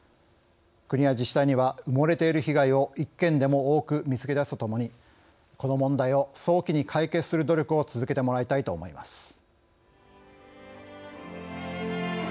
国や自治体には埋もれている被害を１件でも多く見つけ出すとともにこの問題を早期に解決する努力を続けてもらいたいと思います。